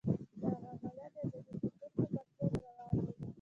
دغه عملیات د ازادي غوښتونکو پر ضد روان وو.